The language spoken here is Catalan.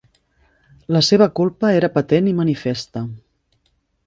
La seva culpa era patent i manifesta.